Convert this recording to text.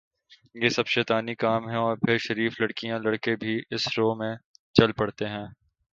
یہ سب شیطانی کام ہیں اور پھر شریف لڑکیاں لڑکے بھی اس رو میں چل پڑتے ہیں